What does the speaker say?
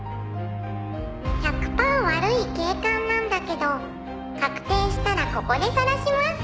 「１００パー悪い警官なんだけど確定したらここでさらします！」